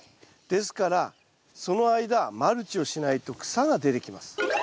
ですからその間マルチをしないと草が出てきます。